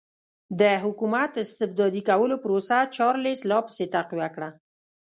د حکومت استبدادي کولو پروسه چارلېس لا پسې تقویه کړه.